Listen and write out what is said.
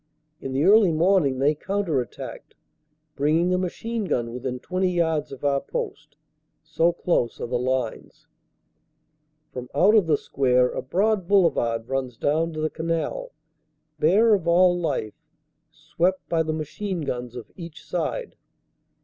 In the early morning they counter attacked, bringing a machine gun within 20 yards of our post so close are the lines. From out 394 CANADA S HUNDRED DAYS of the square a broad boulevard runs down to the canal, bare of all life, swept by the machine guns of each side.